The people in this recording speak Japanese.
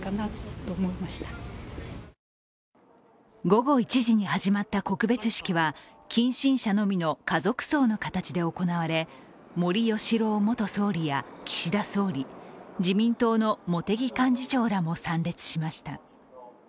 午後１時に始まった告別式は近親者のみの家族葬の形で行われ森喜朗元総理や、岸田総理自民党の茂木幹事長らも参列しました。